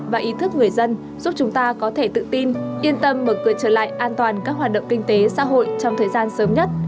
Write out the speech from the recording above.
và ý thức người dân giúp chúng ta có thể tự tin yên tâm mở cửa trở lại an toàn các hoạt động kinh tế xã hội trong thời gian sớm nhất